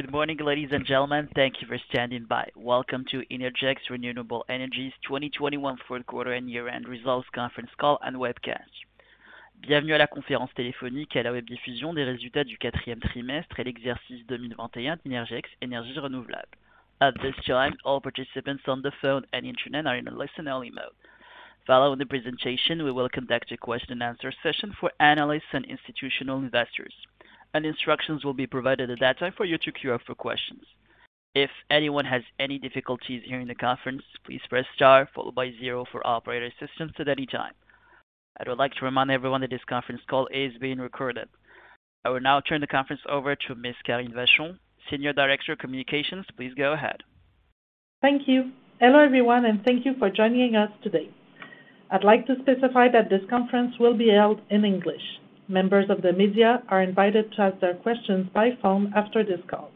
Good morning, ladies and gentlemen. Thank you for standing by. Welcome to Innergex Renewable Energy 2021 fourth quarter and year-end results conference call and webcast. At this time, all participants on the phone and internet are in a listen-only mode. Following the presentation, we will conduct a question and answer session for analysts and institutional investors. Instructions will be provided at that time for you to queue up for questions. If anyone has any difficulties hearing the conference, please press star followed by zero for operator assistance at any time. I would like to remind everyone that this conference call is being recorded. I will now turn the conference over to Ms. Karine Vachon, Senior Director, Communications. Please go ahead. Thank you. Hello, everyone, and thank you for joining us today. I'd like to specify that this conference will be held in English. Members of the media are invited to ask their questions by phone after this call.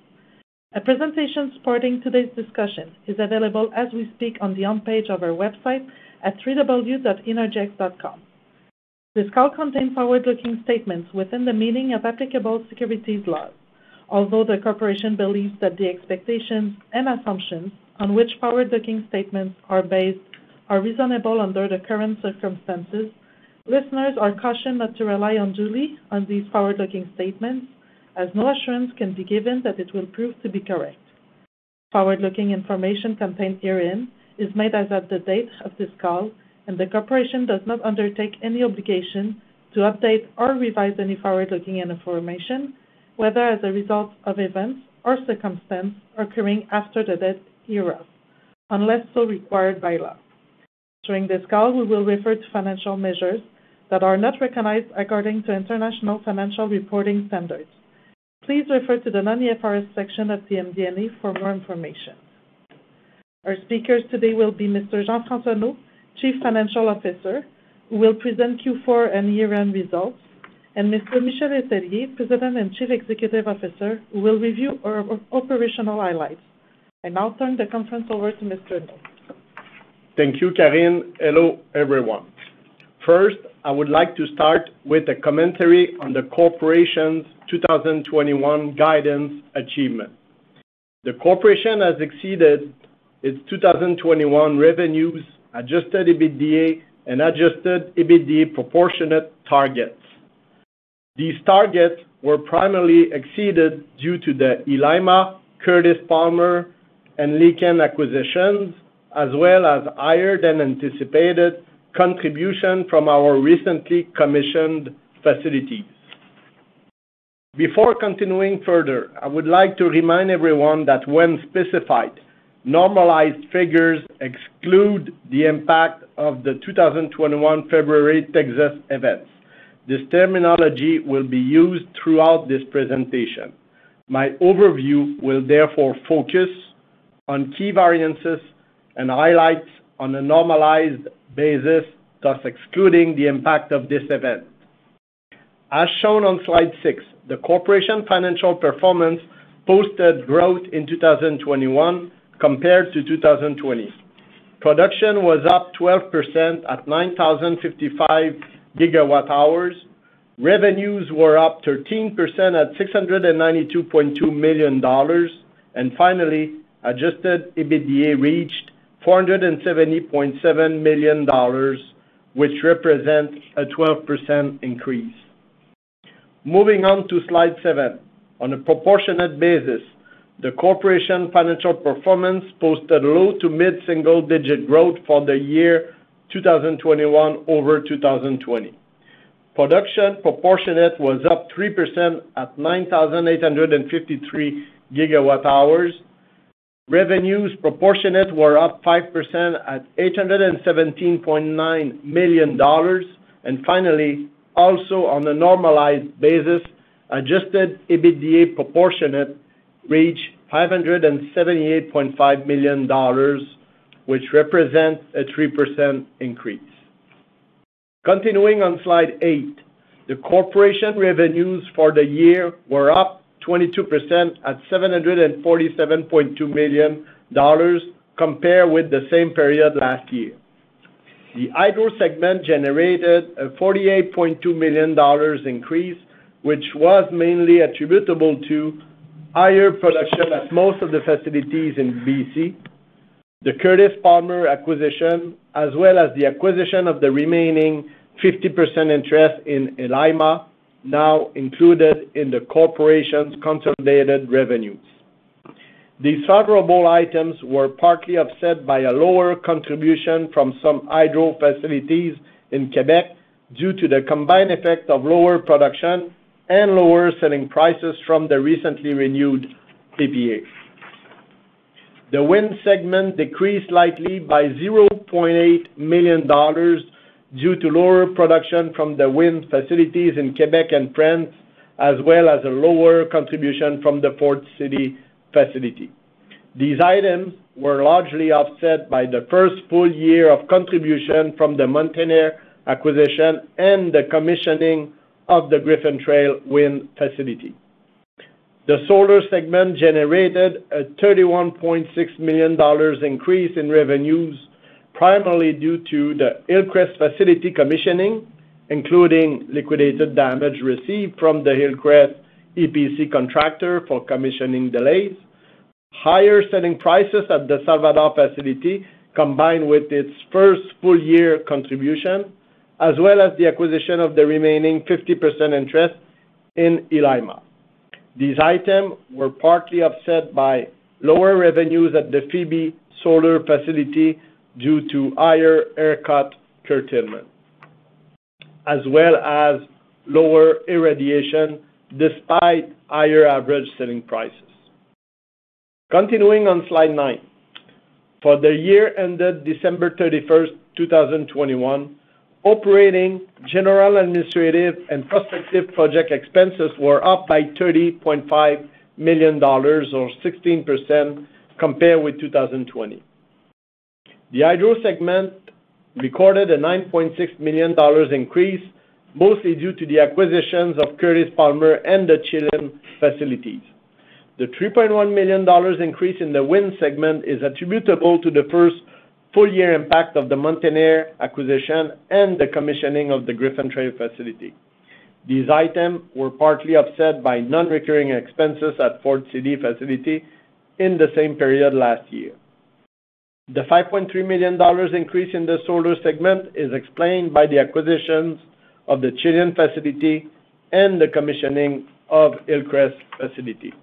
A presentation supporting today's discussion is available as we speak on the home page of our website at www.innergex.com. This call contains forward-looking statements within the meaning of applicable securities laws. Although the corporation believes that the expectations and assumptions on which forward-looking statements are based are reasonable under the current circumstances, listeners are cautioned not to rely unduly on these forward-looking statements as no assurance can be given that it will prove to be correct. Forward-looking information contained herein is made as of the date of this call, and the corporation does not undertake any obligation to update or revise any forward-looking information, whether as a result of events or circumstances occurring after the date hereof, unless so required by law. During this call, we will refer to financial measures that are not recognized according to International Financial Reporting Standards. Please refer to the non-IFRS section of the MD&A for more information. Our speakers today will be Mr. Jean-François Neault, Chief Financial Officer, who will present Q4 and year-end results, and Mr. Michel Letellier, President and Chief Executive Officer, who will review our operational highlights. I now turn the conference over to Mr. Neault. Thank you, Karine. Hello, everyone. First, I would like to start with a commentary on the corporation's 2021 guidance achievement. The corporation has exceeded its 2021 revenues, Adjusted EBITDA, and Adjusted EBITDA proportionate targets. These targets were primarily exceeded due to the Energía Llaima, Curtis Palmer, and Licán acquisitions, as well as higher than anticipated contribution from our recently commissioned facilities. Before continuing further, I would like to remind everyone that when specified, normalized figures exclude the impact of the 2021 February Texas events. This terminology will be used throughout this presentation. My overview will therefore focus on key variances and highlights on a normalized basis, thus excluding the impact of this event. As shown on Slide 6, the corporation financial performance posted growth in 2021 compared to 2020. Production was up 12% at 9,055 GW hours. Revenues were up 13% at 692.2 million dollars. Adjusted EBITDA reached 470.7 million dollars, which represents a 12% increase. Moving on to Slide 7. On a proportionate basis, the Corporation's financial performance posted low to mid-single digit growth for the year 2021 over 2020. Production proportionate was up 3% at 9,853 GW hours. Revenues proportionate were up 5% at 817.9 million dollars. Finally, also on a normalized basis, Adjusted EBITDA proportionate reached 578.5 million dollars, which represents a 3% increase. Continuing on Slide 8. The Corporation revenues for the year were up 22% at 747.2 million dollars compared with the same period last year. The Hydro segment generated a 48.2 million dollars increase, which was mainly attributable to higher production at most of the facilities in BC, the Curtis Palmer acquisition, as well as the acquisition of the remaining 50% interest in Energía Llaima, now included in the Corporation's consolidated revenues. These favorable items were partly offset by a lower contribution from some hydro facilities in Quebec due to the combined effect of lower production and lower selling prices from the recently renewed PPAs. The Wind segment decreased slightly by 0.8 million dollars due to lower production from the wind facilities in Quebec and France, as well as a lower contribution from the Foard City facility. These items were largely offset by the first full year of contribution from the Mountain Air acquisition and the commissioning of the Griffin Trail wind facility. The solar segment generated a 31.6 million dollars increase in revenues. Primarily due to the Hillcrest facility commissioning, including liquidated damage received from the Hillcrest EPC contractor for commissioning delays, higher selling prices at the Salvador facility, combined with its first full year contribution, as well as the acquisition of the remaining 50% interest in Energía Llaima. These items were partly offset by lower revenues at the Phoebe solar facility due to higher ERCOT curtailment, as well as lower irradiation despite higher average selling prices. Continuing on Slide 9. For the year ended December 31st, 2021, operating, general, administrative and prospective project expenses were up by 30.5 million dollars or 16% compared with 2020. The hydro segment recorded a 9.6 million dollars increase, mostly due to the acquisitions of Curtis Palmer and the Chilean facilities. The 3.1 million dollars increase in the wind segment is attributable to the first full year impact of the Mountain Air acquisition and the commissioning of the Griffin Trail facility. These items were partly offset by non-recurring expenses at Foard City facility in the same period last year. The 5.3 million dollars increase in the solar segment is explained by the acquisitions of the Chilean facility and the commissioning of Hillcrest facility.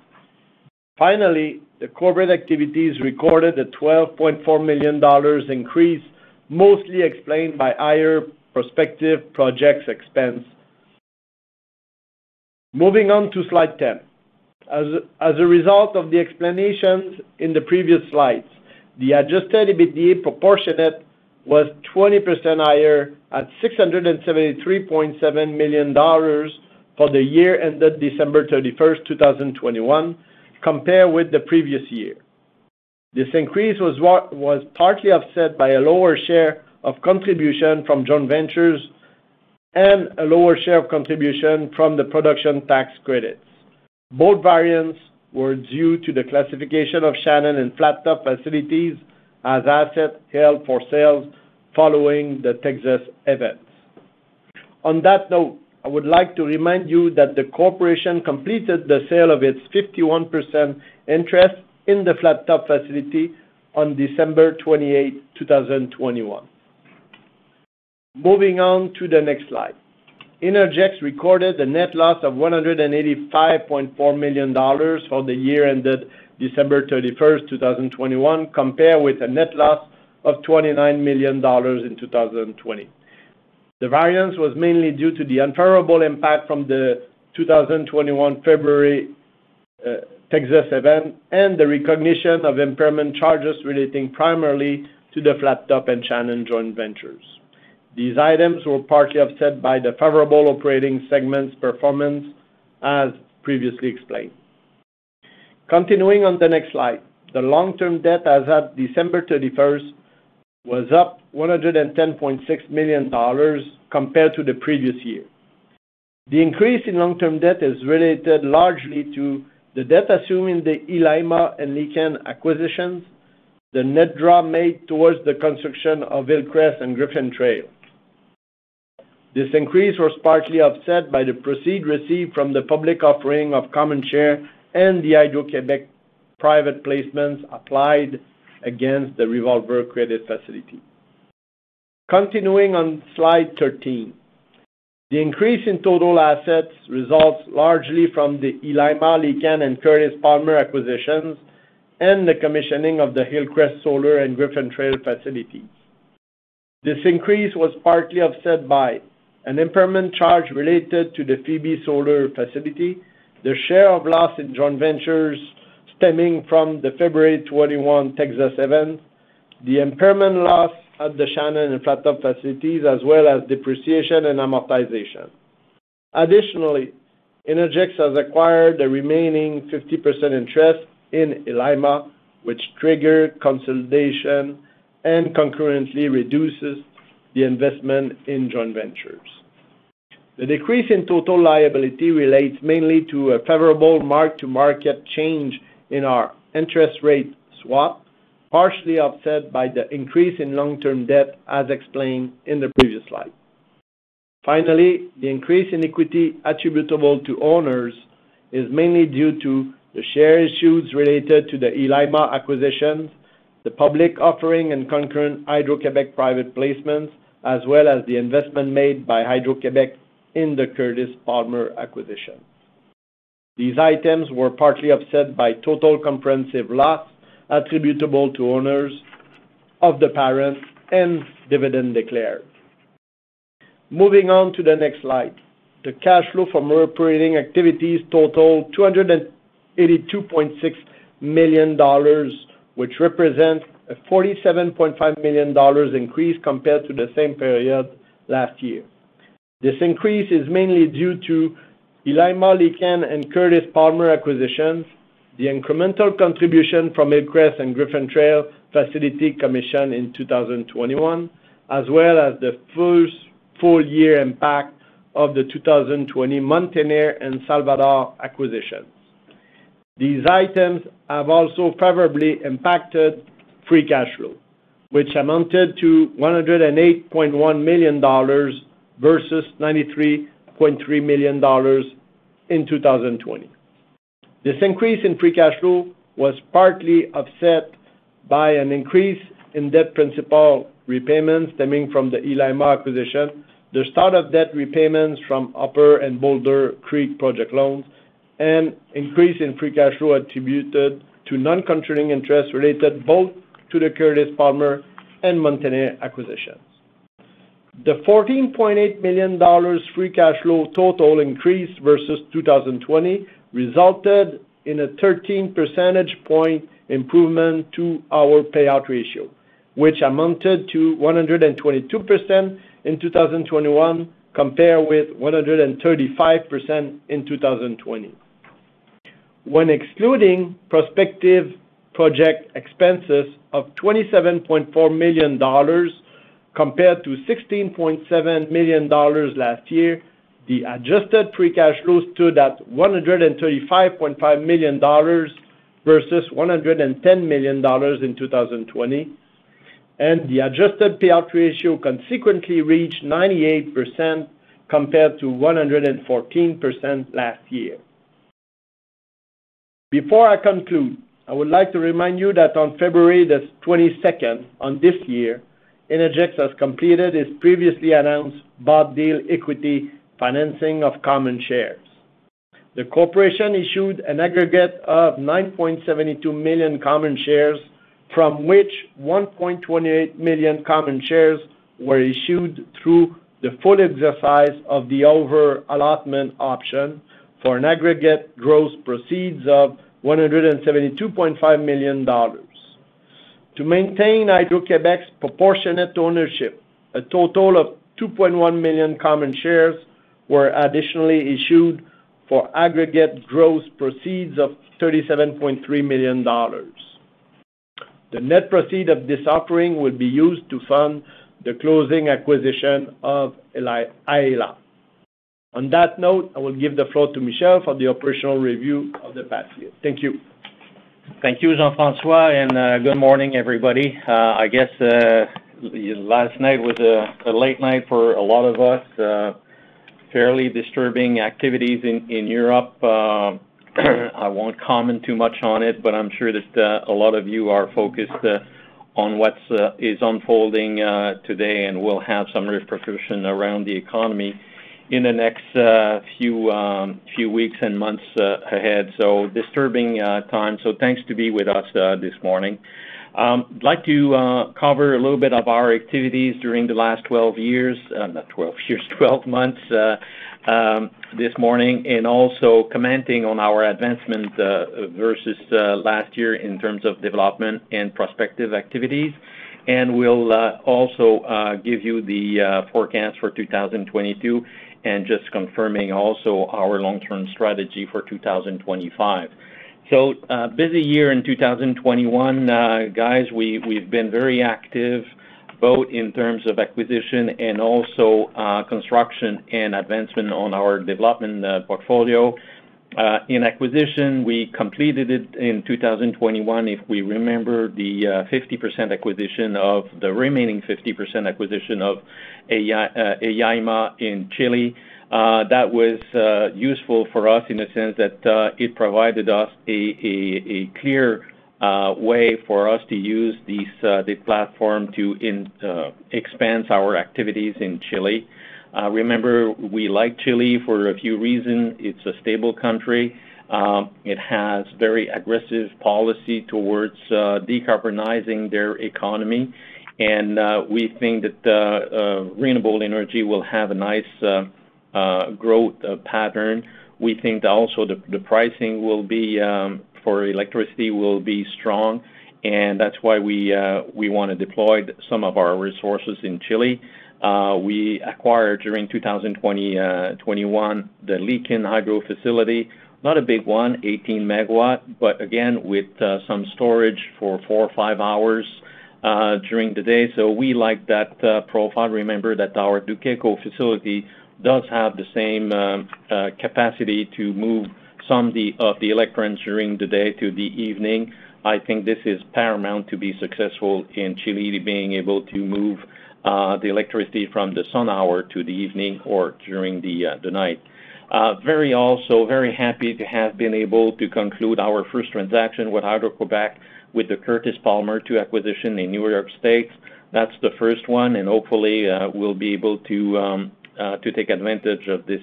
Finally, the corporate activities recorded a 12.4 million dollars increase, mostly explained by higher prospective projects expense. Moving on to Slide 10. As a result of the explanations in the previous slides, the Adjusted EBITDA proportionate was 20% higher at 673.7 million dollars for the year ended December 31st, 2021 compared with the previous year. This increase was partly offset by a lower share of contribution from joint ventures and a lower share of contribution from the production tax credits. Both variances were due to the classification of Shannon and Flat Top facilities as assets held for sale following the Texas events. On that note, I would like to remind you that the corporation completed the sale of its 51% interest in the Flat Top facility on December 28, 2021. Moving on to the next slide. Innergex recorded a net loss of 185.4 million dollars for the year ended December 31st, 2021, compared with a net loss of 29 million dollars in 2020. The variance was mainly due to the unfavorable impact from the 2021 February Texas event and the recognition of impairment charges relating primarily to the Flat Top and Shannon joint ventures. These items were partly offset by the favorable operating segments performance as previously explained. Continuing on the next slide, the long-term debt as at December 31st was up 110.6 million dollars compared to the previous year. The increase in long-term debt is related largely to the debt assumed in the Energía Llaima and Licán acquisitions, the net draw made towards the construction of Hillcrest and Griffin Trail. This increase was partly offset by the proceeds received from the public offering of common shares and the Hydro-Québec private placements applied against the revolver credit facility. Continuing on Slide 13. The increase in total assets results largely from the Energía Llaima, Licán and Curtis Palmer acquisitions and the commissioning of the Hillcrest Solar and Griffin Trail facilities. This increase was partly offset by an impairment charge related to the Phoebe Solar facility, the share of loss in joint ventures stemming from the February 2021 Texas event, the impairment loss at the Shannon and Flat Top facilities, as well as depreciation and amortization. Additionally, Innergex has acquired the remaining 50% interest in Energía Llaima, which triggers consolidation and concurrently reduces the investment in joint ventures. The decrease in total liability relates mainly to a favorable mark-to-market change in our interest rate swap, partially offset by the increase in long-term debt, as explained in the previous slide. Finally, the increase in equity attributable to owners is mainly due to the share issues related to the Llaima acquisition, the public offering and concurrent Hydro-Québec private placements, as well as the investment made by Hydro-Québec in the Curtis Palmer acquisition. These items were partly offset by total comprehensive loss attributable to owners of the parent and dividend declared. Moving on to the next slide. The cash flow from our operating activities totaled 282.6 million dollars, which represents a 47.5 million dollars increase compared to the same period last year. This increase is mainly due to Llaima, Licán and Curtis Palmer acquisitions, the incremental contribution from Hillcrest and Griffin Trail facility commission in 2021, as well as the first full year impact of the 2020 Mountain Air and Salvador acquisitions. These items have also favorably impacted free cash flow, which amounted to 108.1 million dollars versus 93.3 million dollars in 2020. This increase in free cash flow was partly offset by an increase in debt principal repayments stemming from the Llaima acquisition, the start of debt repayments from Upper and Boulder Creek project loans, and increase in free cash flow attributed to non-controlling interest related both to the Curtis Palmer and Mountain Air acquisitions. The 14.8 million dollars free cash flow total increase versus 2020 resulted in a 13 percentage point improvement to our payout ratio, which amounted to 122% in 2021, compared with 135% in 2020. When excluding prospective project expenses of 27.4 million dollars compared to 16.7 million dollars last year, the adjusted free cash flow stood at 135.5 million dollars versus 110 million dollars in 2020, and the adjusted payout ratio consequently reached 98% compared to 114% last year. Before I conclude, I would like to remind you that on February 22nd of this year, Innergex has completed its previously announced bought deal equity financing of common shares. The corporation issued an aggregate of 9.72 million common shares, from which 1.28 million common shares were issued through the full exercise of the over-allotment option for an aggregate gross proceeds of 172.5 million dollars. To maintain Hydro-Québec's proportionate ownership, a total of 2.1 million common shares were additionally issued for aggregate gross proceeds of 37.3 million dollars. The net proceeds of this offering will be used to fund the closing acquisition of Aela. On that note, I will give the floor to Michel for the operational review of the past year. Thank you. Thank you, Jean-François, and good morning, everybody. I guess last night was a late night for a lot of us. Fairly disturbing activities in Europe. I won't comment too much on it, but I'm sure that a lot of you are focused on what's unfolding today and will have some repercussion around the economy in the next few weeks and months ahead. Disturbing times. Thanks to be with us this morning. Like to cover a little bit of our activities during the last 12 months this morning, and also commenting on our advancement versus last year in terms of development and prospective activities. We'll also give you the forecast for 2022, and just confirming also our long-term strategy for 2025. A busy year in 2021, guys. We've been very active, both in terms of acquisition and construction and advancement on our development portfolio. In acquisition, we completed it in 2021. If we remember the remaining 50% acquisition of Energía Llaima in Chile, that was useful for us in the sense that it provided us a clear way for us to use the platform to expand our activities in Chile. Remember, we like Chile for a few reasons. It's a stable country. It has very aggressive policy towards decarbonizing their economy, and we think that renewable energy will have a nice growth pattern. We think that also the pricing for electricity will be strong, and that's why we wanna deploy some of our resources in Chile. We acquired during 2020-2021 the Licán Hydro facility. Not a big one, 18 MW, but again with some storage for four or five hours during the day. We like that profile. Remember that our Duqueco facility does have the same capacity to move some of the electrons during the day to the evening. I think this is paramount to be successful in Chile, being able to move the electricity from the sun hour to the evening or during the night. Very happy to have been able to conclude our first transaction with Hydro-Québec with the Curtis Palmer acquisition in New York State. That's the first one. Hopefully we'll be able to take advantage of this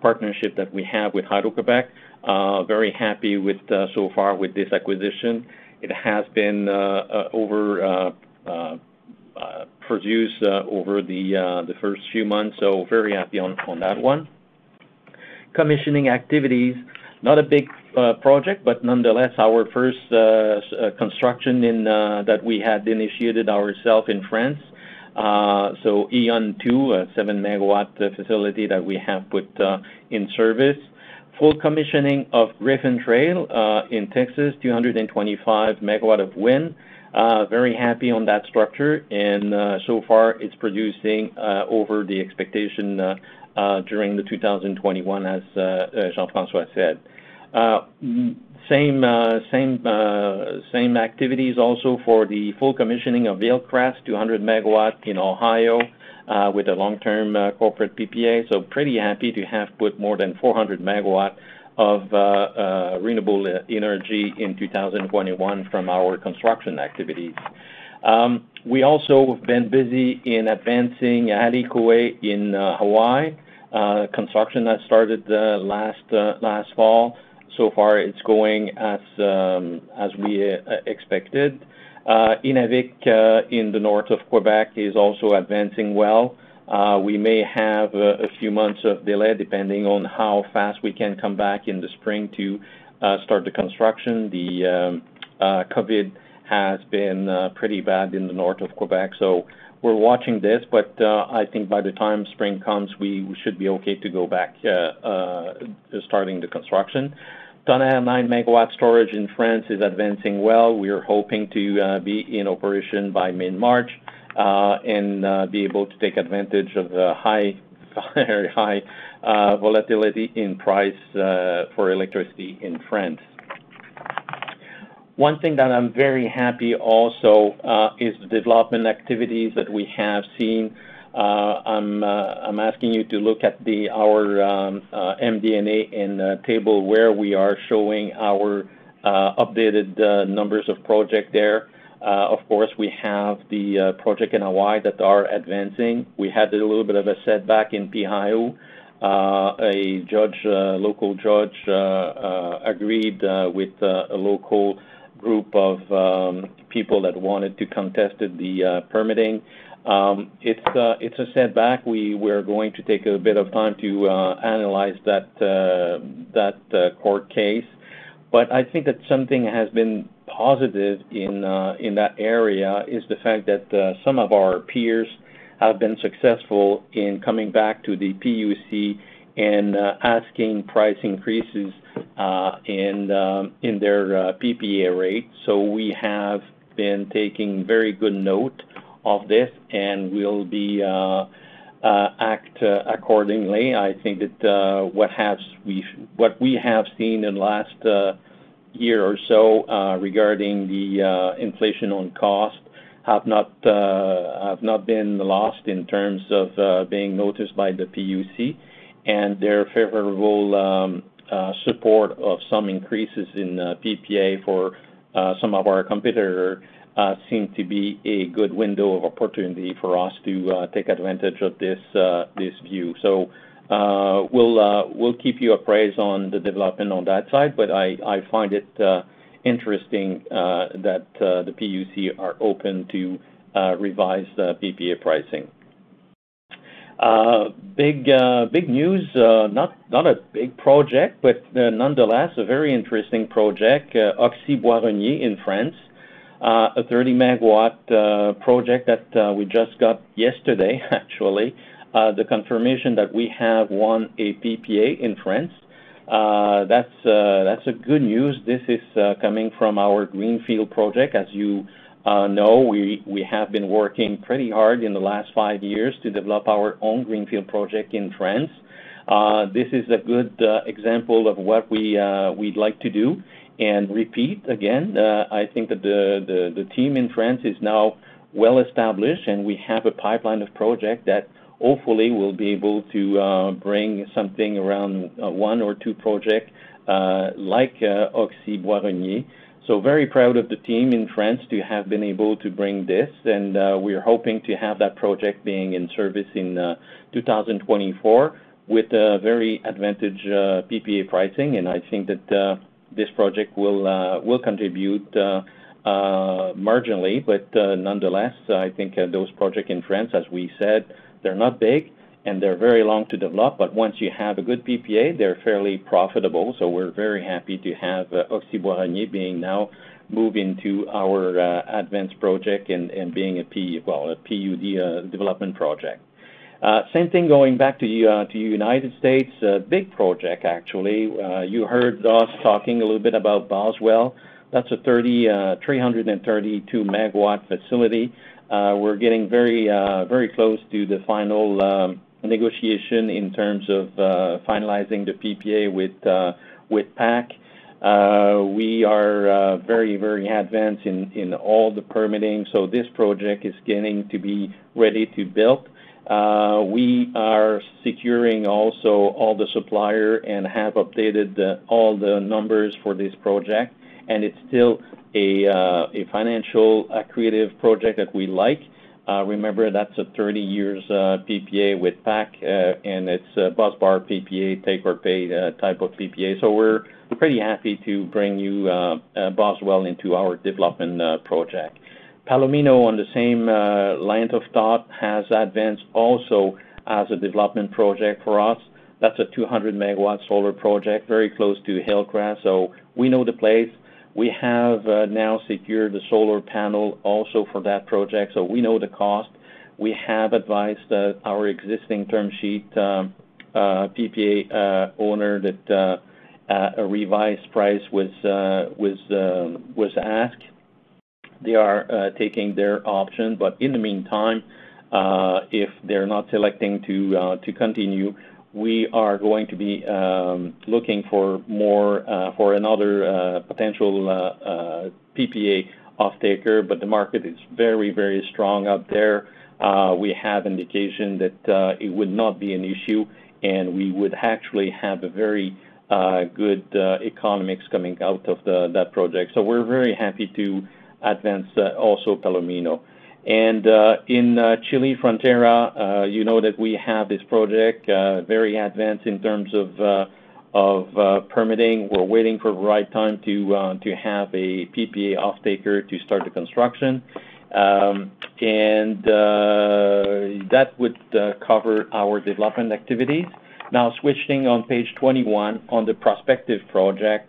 partnership that we have with Hydro-Québec. Very happy so far with this acquisition. It has overproduced over the first few months, so very happy on that one. Commissioning activities, not a big project, but nonetheless our first construction that we had initiated ourselves in France. Yonne II, a 7 MW facility that we have put in service. Full commissioning of Griffin Trail in Texas, 225 MW of wind. Very happy on that structure, and so far it's producing above expectations during 2021, as Jean-François said. Same activities also for the full commissioning of Hillcrest, 200 MW in Ohio, with a long-term corporate PPA. Pretty happy to have put more than 400 MW of renewable energy in 2021 from our construction activities. We also have been busy in advancing adequately in Hawaii. Construction that started last fall. So far it's going as we expected. Innavik in the north of Quebec is also advancing well. We may have a few months of delay, depending on how fast we can come back in the spring to start the construction. COVID has been pretty bad in the north of Quebec, so we're watching this. I think by the time spring comes, we should be okay to go back starting the construction. Tonnerre 9 MW storage in France is advancing well. We are hoping to be in operation by mid-March and be able to take advantage of the high, very high, volatility in price for electricity in France. One thing that I'm very happy also is the development activities that we have seen. I'm asking you to look at our MD&A in the table where we are showing our updated numbers of projects there. Of course, we have the projects in Hawaii that are advancing. We had a little bit of a setback in Paeahu. A local judge agreed with a local group of people that wanted to contest the permitting. It's a setback. We're going to take a bit of time to analyze that court case. But I think that something has been positive in that area is the fact that some of our peers have been successful in coming back to the PUC and asking for price increases in their PPA rate. We have been taking very good note of this, and we'll act accordingly. I think that what we have seen in last year or so regarding the inflation on cost have not been lost in terms of being noticed by the PUC. Their favorable support of some increases in PPA for some of our competitor seem to be a good window of opportunity for us to take advantage of this view. We'll keep you appraised on the development on that side, but I find it interesting that the PUC are open to revise the PPA pricing. Big news, not a big project, but nonetheless a very interesting project, Aux Bois Renier in France, a 30 MW project that we just got yesterday, actually, the confirmation that we have won a PPA in France. That's good news. This is coming from our greenfield project. As you know, we have been working pretty hard in the last five years to develop our own greenfield project in France. This is a good example of what we'd like to do and repeat again. I think that the team in France is now well-established, and we have a pipeline of project that hopefully will be able to bring something around one or two projects like Aux Bois Renier. Very proud of the team in France to have been able to bring this. We are hoping to have that project being in service in 2024 with a very advantageous PPA pricing. I think that this project will contribute marginally, but nonetheless, I think those projects in France, as we said, they're not big, and they're very long to develop, but once you have a good PPA, they're fairly profitable. We're very happy to have Aux Bois Renier now moving into our advanced project and being a PUD development project. Same thing going back to United States. Big project, actually. You heard us talking a little bit about Boswell. That's a 332 MW facility. We're getting very close to the final negotiation in terms of finalizing the PPA with PacifiCorp. We are very advanced in all the permitting, so this project is getting to be ready to build. We are securing also all the supplier and have updated all the numbers for this project. It's still a financial creative project that we like. Remember, that's a 30-year PPA with PacifiCorp, and it's a busbar PPA, take or pay type of PPA. We're pretty happy to bring you Boswell into our development project. Palomino, on the same line of thought, has advanced also as a development project for us. That's a 200 MW solar project, very close to Hillcrest, so we know the place. We have now secured the solar panel also for that project, so we know the cost. We have advised our existing term sheet PPA owner that a revised price was asked. They are taking their option. But in the meantime, if they're not selecting to continue, we are going to be looking for another potential PPA off-taker, but the market is very, very strong out there. We have indication that it would not be an issue, and we would actually have a very good economics coming out of that project. So we're very happy to advance also Palomino. In Chile, Frontera, you know that we have this project very advanced in terms of permitting. We're waiting for the right time to have a PPA off-taker to start the construction. That would cover our development activities. Now, switching on Page 21, on the prospective projects.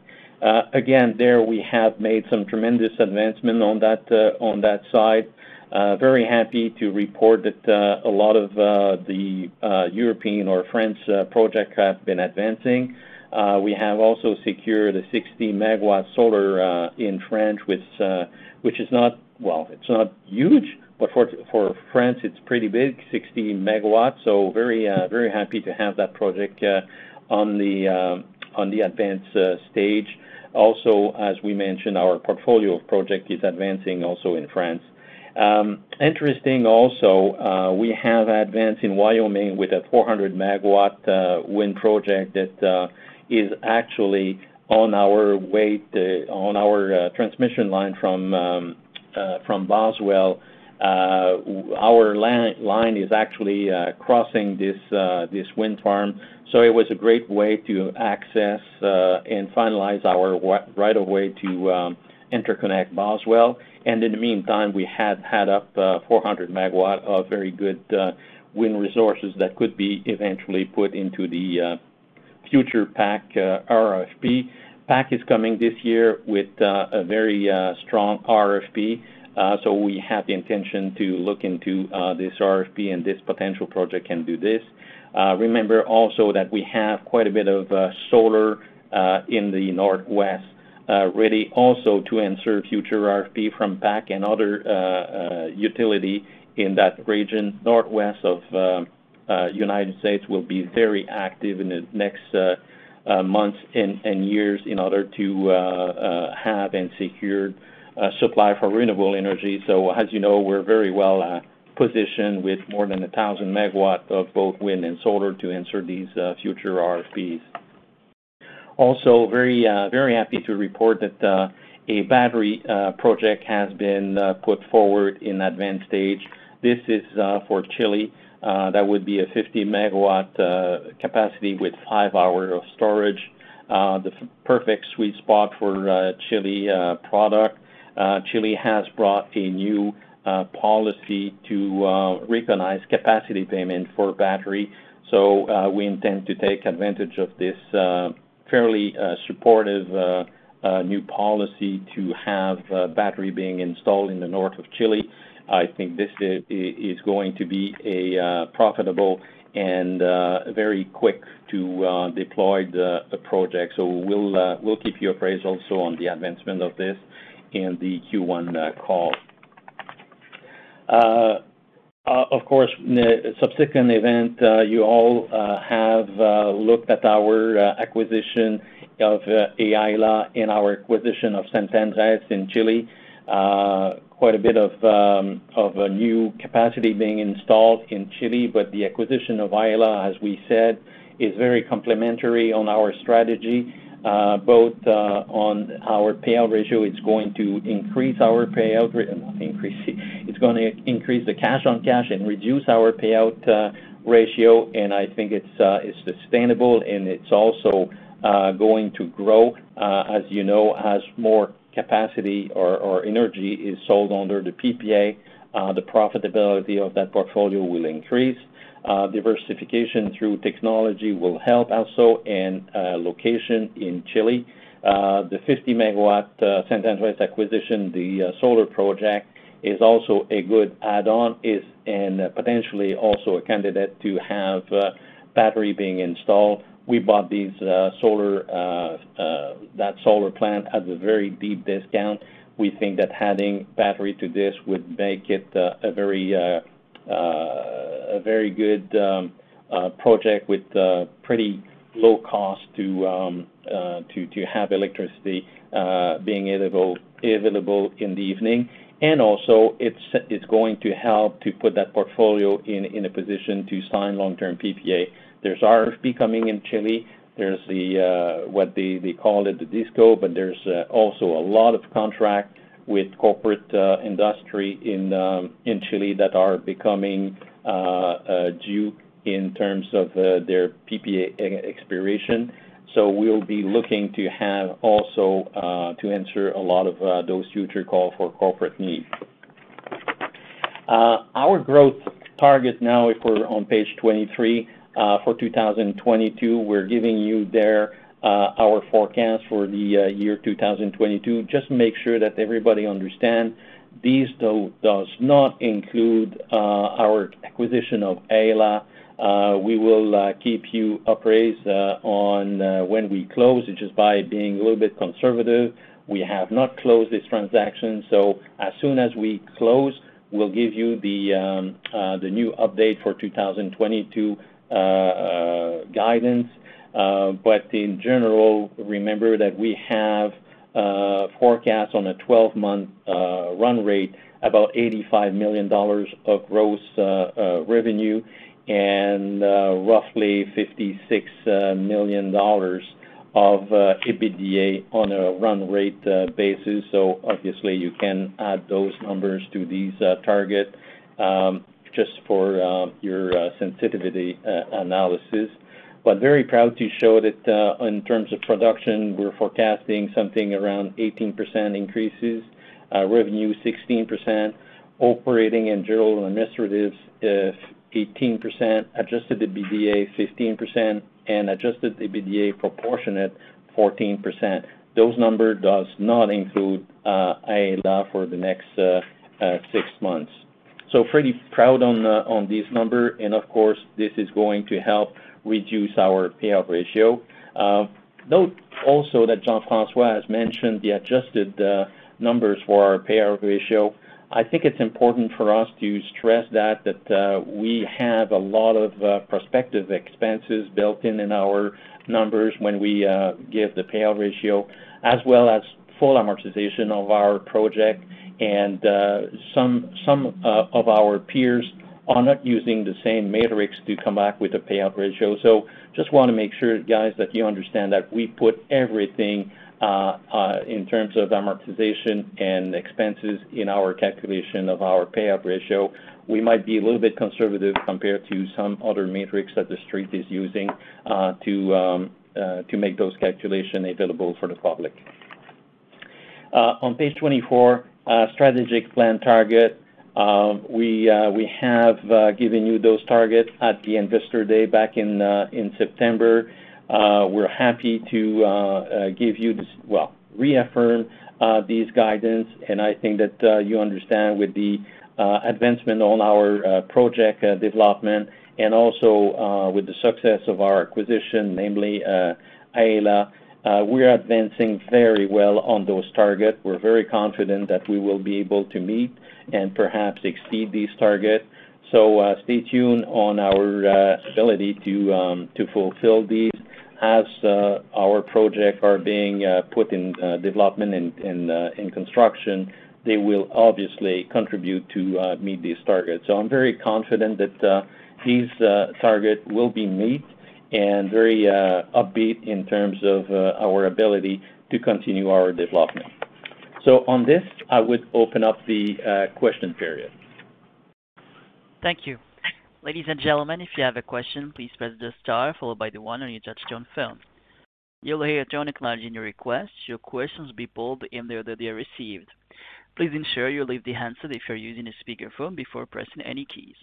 Again, there we have made some tremendous advancement on that side. Very happy to report that a lot of the European or French projects have been advancing. We have also secured a 60-MW solar in France, which is not huge, but for France, it's pretty big, 60 MW. So very happy to have that project on the advanced stage. Also, as we mentioned, our portfolio of projects is advancing also in France. Interesting also, we have advanced in Wyoming with a 400 MW wind project that is actually on our transmission line from Boswell. Our line is actually crossing this wind farm. It was a great way to access and finalize our right of way to interconnect Boswell. In the meantime, we have 400 MW of very good wind resources that could be eventually put into the future PAC RFP. PAC is coming this year with a very strong RFP, so we have the intention to look into this RFP, and this potential project can do this. Remember also that we have quite a bit of solar in the Northwest ready also to answer future RFPs from PacifiCorp and other utility in that region. The Northwest of the United States will be very active in the next months and years in order to have and secure a supply for renewable energy. As you know, we're very well positioned with more than 1,000 MW of both wind and solar to answer these future RFPs. Also, very happy to report that a battery project has been put forward in advanced stage. This is for Chile. That would be a 50 MW capacity with five hours of storage. The perfect sweet spot for Chile product. Chile has brought a new policy to recognize capacity payment for battery. We intend to take advantage of this fairly new policy to have battery being installed in the north of Chile. I think this is going to be a profitable and very quick to deploy the project. We'll keep you appraised also on the advancement of this in the Q1 call. Of course, in a subsequent event, you all have looked at our acquisition of Aela and our acquisition of San Andrés in Chile. Quite a bit of new capacity being installed in Chile, but the acquisition of Aela, as we said, is very complementary on our strategy, both on our payout ratio. It's going to increase the cash on cash and reduce our payout ratio. I think it's sustainable and it's also going to grow. As you know, as more capacity or energy is sold under the PPA, the profitability of that portfolio will increase. Diversification through technology will help also in location in Chile. The 50 MW San Andrés acquisition, the solar project, is also a good add-on. It's and potentially also a candidate to have battery being installed. We bought these solar, that solar plant at a very deep discount. We think that adding battery to this would make it a very good project with pretty low cost to have electricity being available in the evening. Also it's going to help to put that portfolio in a position to sign long-term PPA. There's RFP coming in Chile. There's what they call the DisCo, but there's also a lot of contract with corporate industry in Chile that are becoming due in terms of their PPA expiration. We'll be looking to have also to answer a lot of those future call for corporate need. Our growth target now, if we're on Page 23, for 2022, we're giving you there our forecast for the year 2022. Just to make sure that everybody understand, this does not include our acquisition of Aela. We will keep you apprised on when we close, which is by being a little bit conservative. We have not closed this transaction. As soon as we close, we'll give you the new update for 2022 guidance. But in general, remember that we have forecast on a 12-month run rate about 85 million dollars of gross revenue and roughly 56 million dollars of EBITDA on a run rate basis. Obviously, you can add those numbers to these target just for your sensitivity analysis. Very proud to show that in terms of production, we're forecasting something around 18% increases. Revenue 16%, operating and general and administrative is 18%, Adjusted EBITDA 15%, and Adjusted EBITDA proportionate 14%. Those numbers do not include Aela for the next six months. Pretty proud on this number and of course this is going to help reduce our payout ratio. Note also that Jean-François has mentioned the adjusted numbers for our payout ratio. I think it's important for us to stress that we have a lot of prospective expenses built in our numbers when we give the payout ratio, as well as full amortization of our project. Some of our peers are not using the same metrics to come up with a payout ratio. Just wanna make sure, guys, that you understand that we put everything in terms of amortization and expenses in our calculation of our payout ratio. We might be a little bit conservative compared to some other metrics that The Street is using to make those calculations available for the public. On Page 24, strategic plan target, we have given you those targets at the Investor Day back in September. We're happy to give you this. Well, reaffirm this guidance, and I think that you understand with the advancement on our project development and also with the success of our acquisition, namely Aela, we're advancing very well on those targets. We're very confident that we will be able to meet and perhaps exceed these targets. Stay tuned on our ability to fulfill these. As our projects are being put in development and in construction, they will obviously contribute to meet these targets. I'm very confident that these targets will be met and very upbeat in terms of our ability to continue our development. On this, I would open up the question period. Thank you. Ladies and gentlemen, if you have a question, please press the star followed by the one on your touchtone phone. You'll hear a tone acknowledging your request. Your questions will be pulled in the order they are received. Please ensure you leave the handset if you're using a speakerphone before pressing any keys.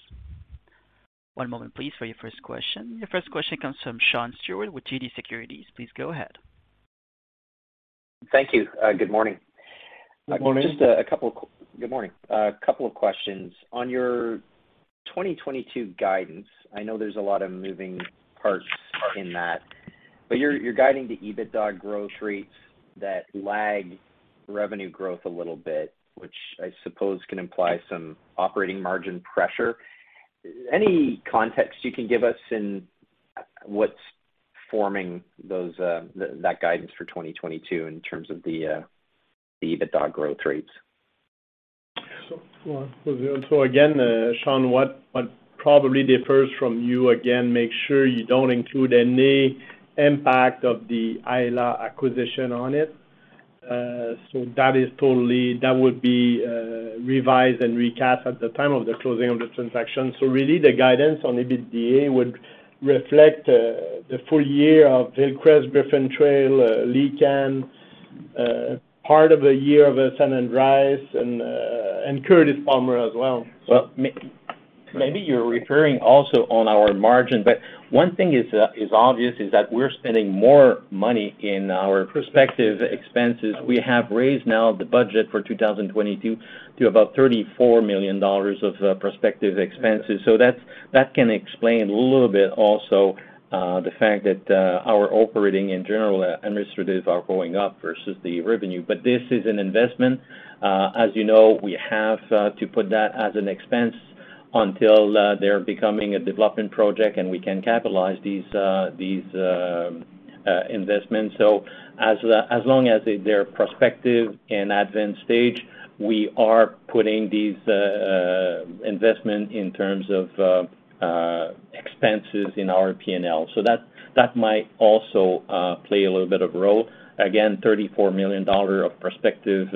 One moment please for your first question. Your first question comes from Sean Steuart with TD Securities. Please go ahead. Thank you. Good morning. Good morning. Good morning. A couple of questions. On your 2022 guidance, I know there's a lot of moving parts in that, but you're guiding the EBITDA growth rates that lag revenue growth a little bit, which I suppose can imply some operating margin pressure. Any context you can give us in what's forming those, that guidance for 2022 in terms of the EBITDA growth rates? Again, Sean, what probably differs from you, again, make sure you don't include any impact of the Aela acquisition on it. That is totally. That would be revised and recast at the time of the closing of the transaction. Really the guidance on EBITDA would reflect the full year of Hillcrest, Griffin Trail, Licán, part of a year of San Andrés and Curtis Palmer as well. Well, maybe you're referring also on our margin, but one thing is obvious that we're spending more money in our prospective expenses. We have raised now the budget for 2022 to about 34 million dollars of prospective expenses. That can explain a little bit also the fact that our operating and general administrative are going up versus the revenue. This is an investment. As you know, we have to put that as an expense until they're becoming a development project and we can capitalize these investments. As long as they're prospective and advanced stage, we are putting these investment in terms of expenses in our P&L. That might also play a little bit of role. Again, 34 million dollars of prospective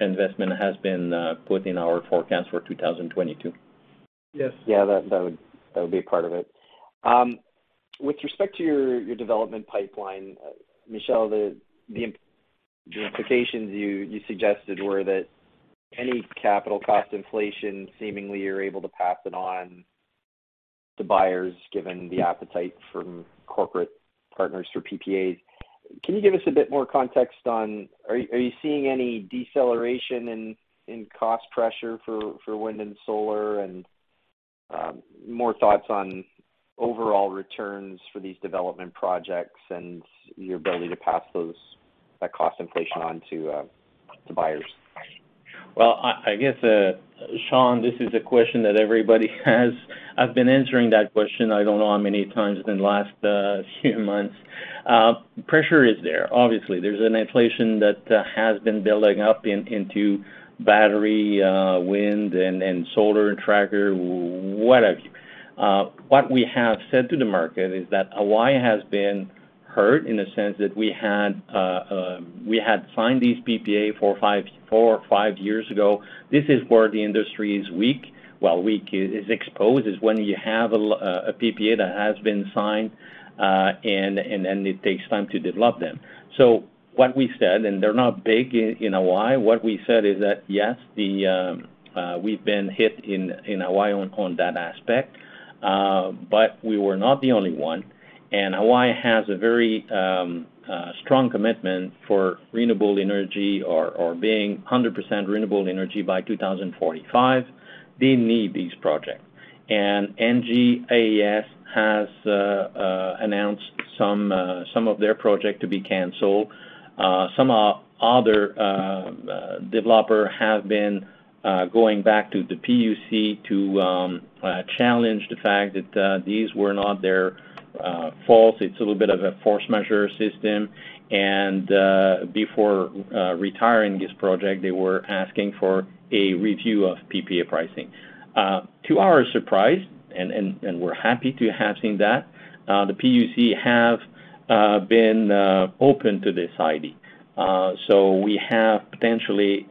investment has been put in our forecast for 2022. Yeah, that would be a part of it. With respect to your development pipeline, Michel, the implications you suggested were that any capital cost inflation, seemingly you're able to pass it on to buyers given the appetite from corporate partners through PPAs. Can you give us a bit more context on, are you seeing any deceleration in cost pressure for wind and solar? More thoughts on overall returns for these development projects and your ability to pass that cost inflation on to buyers. Well, I guess, Sean, this is a question that everybody has. I've been answering that question I don't know how many times in the last few months. Pressure is there. Obviously, there's an inflation that has been building up into battery, wind and solar tracker, what have you. What we have said to the market is that Hawaii has been hurt in the sense that we had signed these PPA four or five years ago. This is where the industry is weak. While weak, it is exposed when you have a PPA that has been signed, and then it takes time to develop them. What we said is that yes we've been hit in Hawaii on that aspect but we were not the only one. Hawaii has a very strong commitment for renewable energy or being 100% renewable energy by 2045. They need these projects. ENGIE has announced some of their projects to be canceled. Some other developer have been going back to the PUC to challenge the fact that these were not their fault. It's a little bit of a force majeure system, and before retiring this project, they were asking for a review of PPA pricing. To our surprise, we're happy to have seen that the PUC have been open to this idea. We have potentially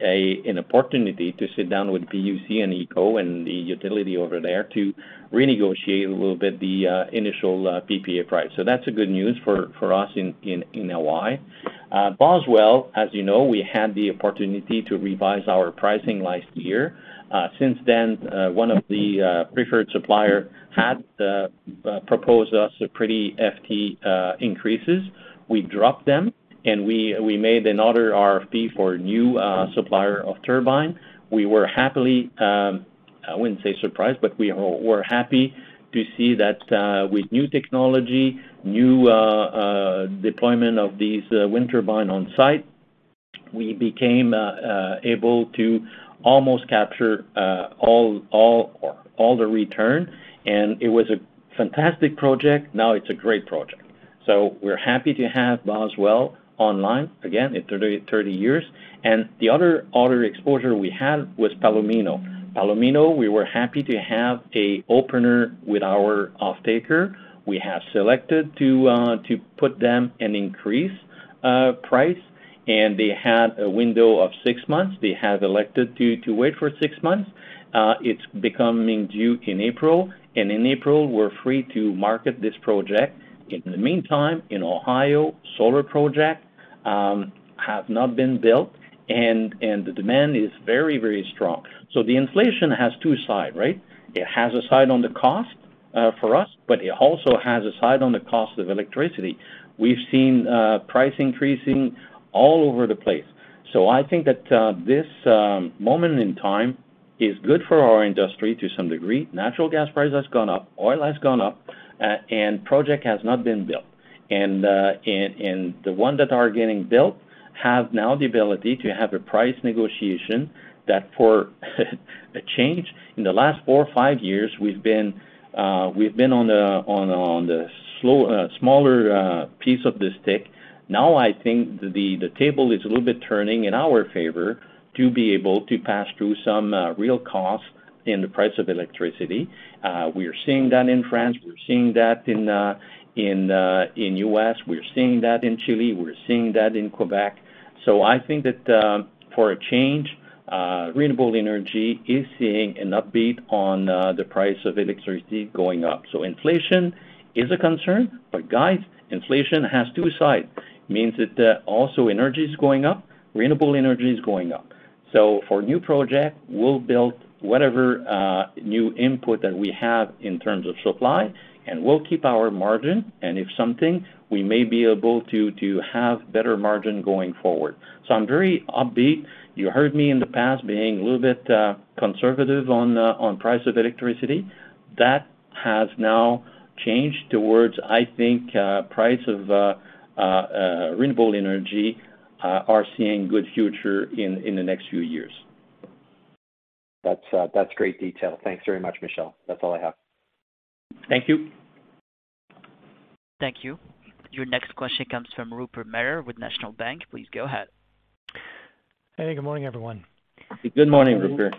an opportunity to sit down with PUC and HECO and the utility over there to renegotiate a little bit the initial PPA price. That's a good news for us in Hawaii. Boswell, as you know, we had the opportunity to revise our pricing last year. Since then, one of the preferred supplier had proposed us a pretty hefty increases. We dropped them, and we made another RFP for new supplier of turbine. We were happily, I wouldn't say surprised, but we were happy to see that, with new technology, new deployment of these wind turbine on site, we became able to almost capture all the return. It was a fantastic project. Now it's a great project. We're happy to have Boswell online again in 30 years. The other exposure we had was Palomino. Palomino, we were happy to have an option with our offtaker. We have the option to put them an increased price, and they had a window of six months. They have elected to wait for six months. It's becoming due in April, and in April, we're free to market this project. In the meantime, in Ohio, solar projects have not been built, and the demand is very strong. The inflation has two sides, right? It has a side on the cost for us, but it also has a side on the cost of electricity. We've seen prices increasing all over the place. I think that this moment in time is good for our industry to some degree. Natural gas price has gone up, oil has gone up, and projects have not been built. The ones that are getting built have now the ability to have a price negotiation that's for a change. In the last four or five years, we've been on the smaller piece of the stick. Now, I think the table is a little bit turning in our favor to be able to pass through some real costs in the price of electricity. We are seeing that in France. We're seeing that in U.S., in Chile, in Quebec. I think that for a change, renewable energy is seeing an upbeat on the price of electricity going up. Inflation is a concern, but guys, inflation has two sides. That means also energy is going up, renewable energy is going up. For new project, we'll build whatever new input that we have in terms of supply, and we'll keep our margin. If something, we may be able to have better margin going forward. I'm very upbeat. You heard me in the past being a little bit conservative on price of electricity. That has now changed towards, I think, price of renewable energy are seeing good future in the next few years. That's great detail. Thanks very much, Michel. That's all I have. Thank you. Thank you. Your next question comes from Rupert Merer with National Bank. Please go ahead. Hey, good morning, everyone. Good morning, Rupert.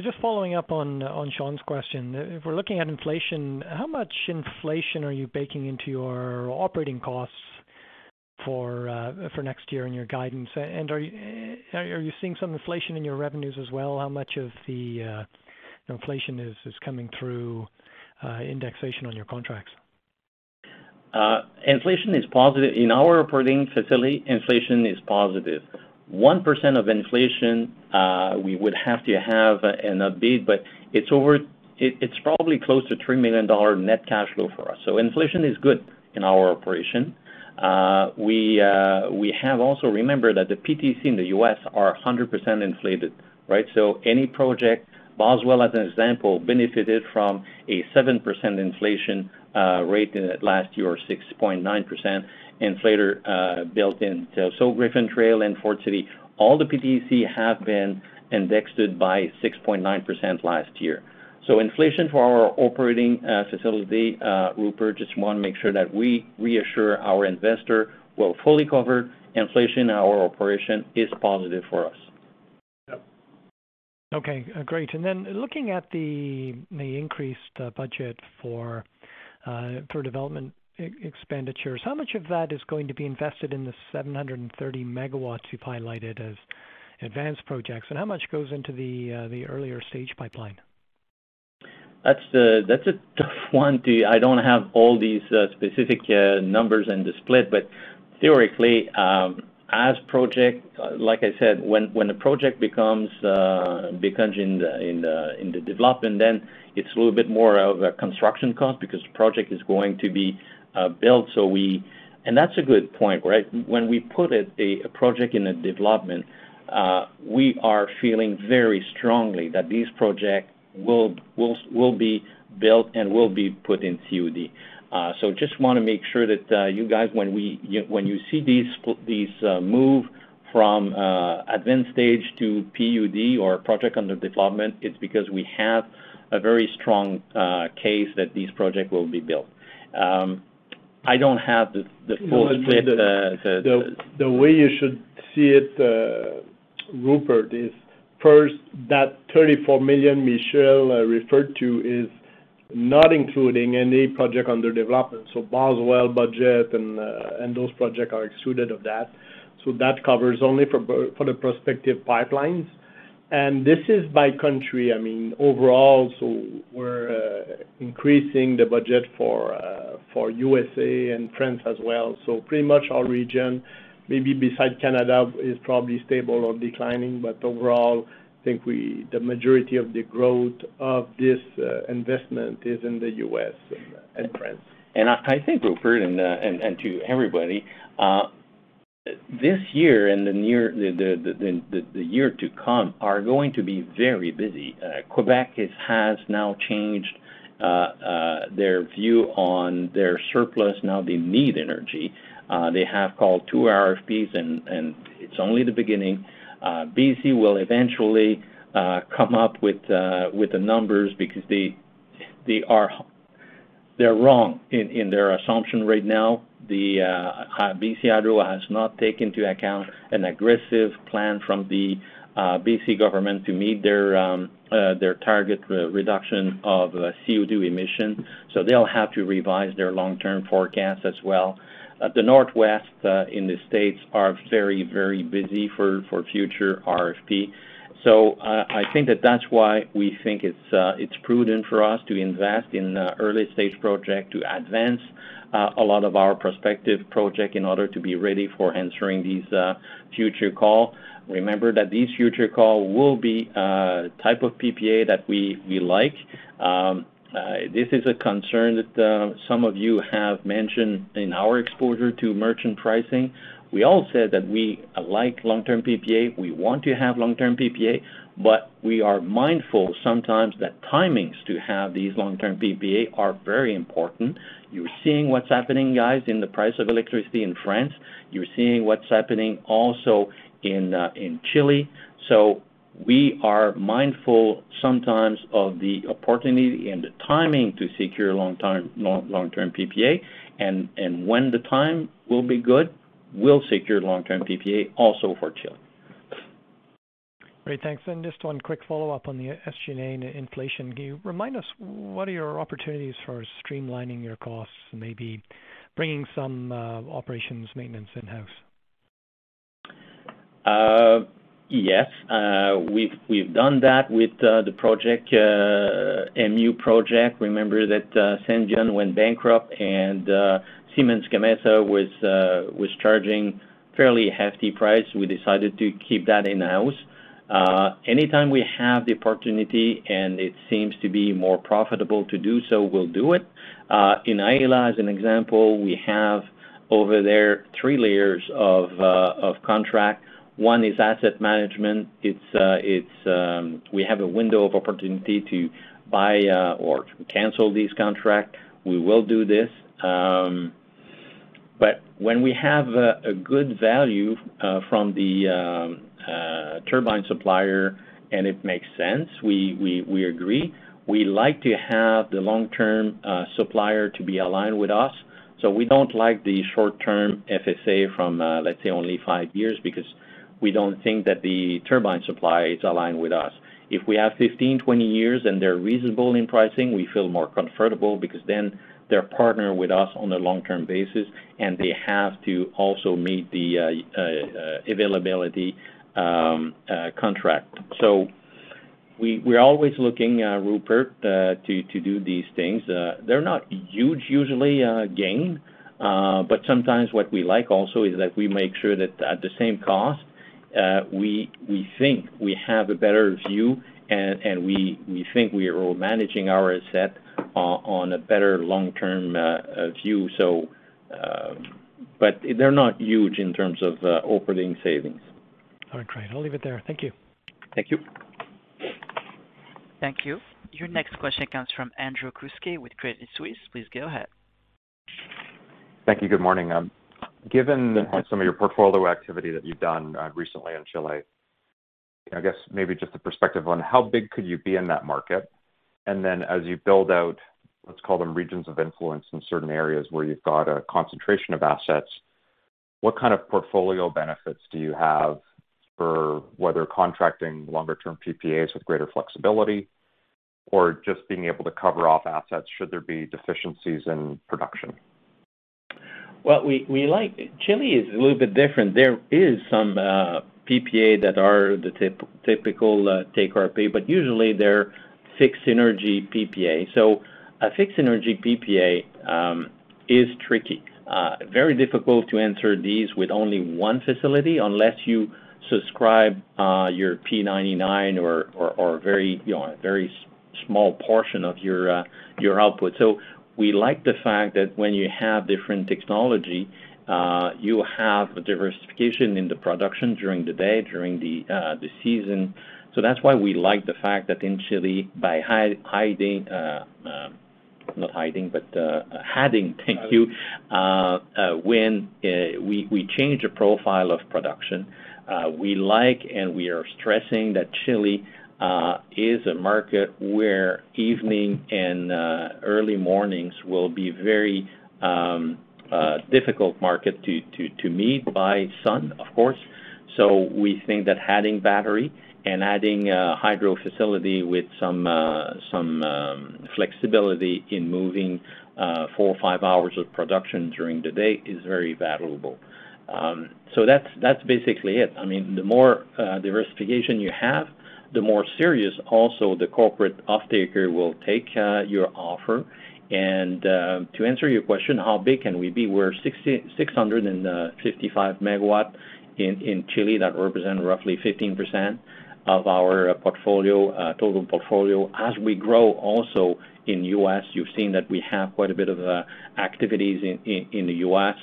Just following up on Sean's question. If we're looking at inflation, how much inflation are you baking into your operating costs for next year in your guidance? Are you seeing some inflation in your revenues as well? How much of the inflation is coming through indexation on your contracts? Inflation is positive. In our operating facility, inflation is positive. 1% of inflation, we would have to have an upbeat, but it's probably close to $3 million net cash flow for us. Inflation is good in our operation. We have also remembered that the PTC in the U.S. are 100% inflated, right? Any project, Boswell, as an example, benefited from a 7% inflation rate in it last year, or 6.9% inflation built into so Griffin Trail and Foard City. All the PTC have been indexed by 6.9% last year. Inflation for our operating facility, Rupert, just wanna make sure that we reassure our investor we're fully covered. Inflation in our operation is positive for us. Yep. Okay, great. Looking at the increased budget for development expenditures, how much of that is going to be invested in the 730 MW you've highlighted as advanced projects, and how much goes into the earlier stage pipeline? That's a tough one. I don't have all these specific numbers and the split, but theoretically, as a project like I said, when the project becomes in the development, then it's a little bit more of a construction cost because the project is going to be built. That's a good point, right? When we put a project in a development, we are feeling very strongly that these projects will be built and will be put in PUD. So just wanna make sure that you guys, when you see these move from advanced stage to PUD or Project Under Development, it's because we have a very strong case that these projects will be built. I don't have the full split. The way you should see it, Rupert, is first, that 34 million Michel referred to is not including any project under development. Boswell budget and those projects are excluded of that. That covers only for the prospective pipelines. This is by country, I mean, overall, we're increasing the budget for U.S. and France as well. Pretty much our region, maybe beside Canada is probably stable or declining, but overall, I think the majority of the growth of this investment is in the U.S. and France. I think, Rupert and to everybody, this year and the near-term, the year to come are going to be very busy. Quebec has now changed their view on their surplus. Now they need energy. They have called 2 RFPs and it's only the beginning. BC will eventually come up with the numbers because they're wrong in their assumption right now. BC Hydro has not taken into account an aggressive plan from the BC government to meet their target reduction of CO2 emissions, so they'll have to revise their long-term forecast as well. The Northwest in the States are very busy for future RFP. I think that that's why we think it's prudent for us to invest in early-stage project to advance a lot of our prospective project in order to be ready for answering these future call. Remember that these future call will be type of PPA that we like. This is a concern that some of you have mentioned in our exposure to merchant pricing. We all said that we like long-term PPA, we want to have long-term PPA, but we are mindful sometimes that timings to have these long-term PPA are very important. You're seeing what's happening, guys, in the price of electricity in France. You're seeing what's happening also in Chile. We are mindful sometimes of the opportunity and the timing to secure long-term PPA. When the time will be good, we'll secure long-term PPA also for Chile. Great. Thanks. Just one quick follow-up on the SG&A and the inflation. Can you remind us what are your opportunities for streamlining your costs and maybe bringing some operations maintenance in-house? Yes. We've done that with the project, Mesgi'g Ugju's'n project. Remember that, Senvion went bankrupt and, Siemens Gamesa was charging fairly hefty price. We decided to keep that in-house. Anytime we have the opportunity and it seems to be more profitable to do so, we'll do it. In Aela, as an example, we have over there three layers of contract. One is asset management. We have a window of opportunity to buy or cancel this contract. We will do this. When we have a good value from the turbine supplier and it makes sense, we agree. We like to have the long-term supplier to be aligned with us. We don't like the short-term LTSA from, let's say only five years, because we don't think that the turbine supply is aligned with us. If we have 15, 20 years and they're reasonable in pricing, we feel more comfortable because then they're partnered with us on a long-term basis and they have to also meet the availability contract. We're always looking, Rupert, to do these things. They're not huge usually, but sometimes what we like also is that we make sure that at the same cost, we think we have a better view and we think we are managing our asset on a better long-term view. They're not huge in terms of operating savings. All right, great. I'll leave it there. Thank you. Thank you. Thank you. Your next question comes from Andrew Kuske with Credit Suisse. Please go ahead. Thank you. Good morning. Given some of your portfolio activity that you've done recently in Chile, I guess maybe just a perspective on how big could you be in that market? And then as you build out, let's call them regions of influence in certain areas where you've got a concentration of assets, what kind of portfolio benefits do you have for whether contracting longer term PPAs with greater flexibility or just being able to cover off assets should there be deficiencies in production? We like Chile is a little bit different. There is some PPA that are the typical take or pay, but usually they're fixed energy PPA. A fixed energy PPA is tricky. Very difficult to enter these with only one facility unless you subscribe your P99 or, you know, very small portion of your output. We like the fact that when you have different technology you have a diversification in the production during the day, during the season. That's why we like the fact that in Chile by adding Q2 when we change the profile of production, we like and we are stressing that Chile is a market where evenings and early mornings will be very difficult to meet by sun, of course. We think that adding battery and adding hydro facility with some flexibility in moving four or five hours of production during the day is very valuable. That's basically it. I mean, the more diversification you have, the more seriously the corporate offtaker will take your offer. To answer your question, how big can we be? We're 655 MW in Chile. That represent roughly 15% of our total portfolio. As we grow also in U.S., you've seen that we have quite a bit of activities in the U.S.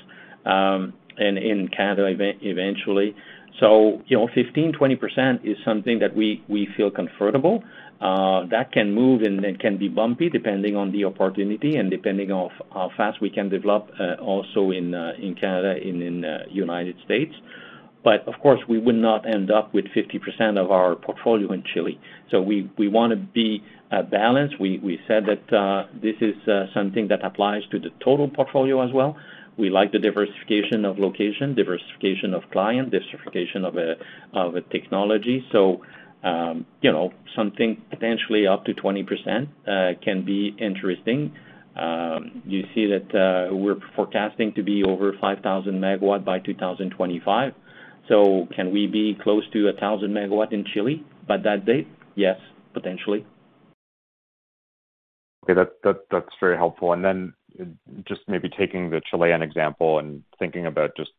and in Canada eventually. You know, 15%, 20% is something that we feel comfortable. That can move and it can be bumpy depending on the opportunity and depending on how fast we can develop also in Canada and in United States. But of course, we would not end up with 50% of our portfolio in Chile. We wanna be balanced. We said that this is something that applies to the total portfolio as well. We like the diversification of location, diversification of client, diversification of a technology. You know, something potentially up to 20% can be interesting. You see that, we're forecasting to be over 5,000 MW by 2025. Can we be close to 1,000 MW in Chile by that date? Yes, potentially. Okay. That's very helpful. Just maybe taking the Chilean example and thinking about just